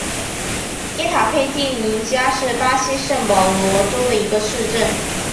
伊塔佩蒂宁加是巴西圣保罗州的一个市镇。